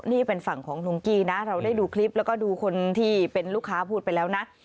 นี่เป็นฝั่งของลุงกี้นะเราได้ดูคลิปแล้วก็ดูคนที่เป็นลูกค้าพูดไปแล้วนะ